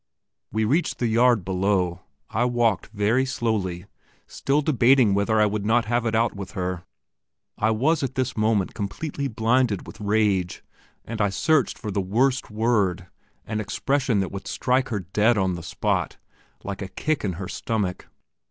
We reached the yard below. I walked very slowly, still debating whether I would not have it out with her. I was at this moment completely blinded with rage, and I searched for the worst word an expression that would strike her dead on the spot, like a kick in her stomach.